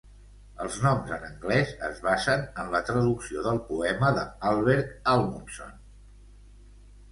Els noms en anglès es basen en la traducció del poema de Hallberg Hallmundsson.